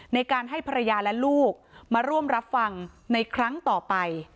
ในการให้ภรรยาและลูกมาร่วมรับฟังในครั้งต่อไป